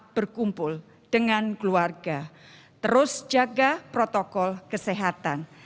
berkumpul dengan keluarga terus jaga protokol kesehatan